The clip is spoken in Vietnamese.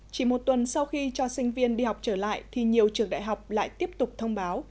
chỉ một tuần sau khi cho sinh viên đi học trở lại thì nhiều trường đại học lại tiếp tục thông báo